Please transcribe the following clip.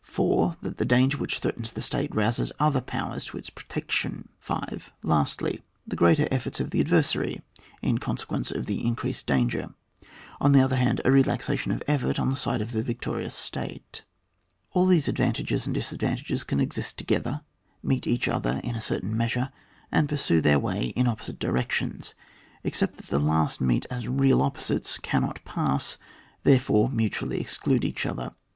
4. That the danger which threatens the state, rouses other powers to its pro tection. 5. Lastly, the greater efforts of the adversary, in consequence of the increased danger, on the other hand, a relaxation of effort on the side of the victorious stata All these advantages and disadvan tages can exist together, meet each other in a certain measure, and pur sue their way in opposite directions, except that the last meet as real oppo sites, cannot pass, therefore mutually exclude each other.